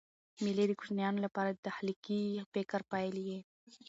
مېلې د کوچنیانو له پاره د تخلیقي فکر پیل يي.